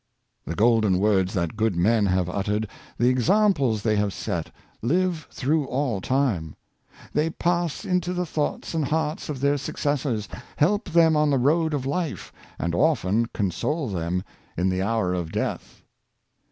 The golden words that good men have uttered, the examples they have set, live through all time; they pass into the thoughts and hearts of their successors, help them on the road of life, and often console them in the hour of death.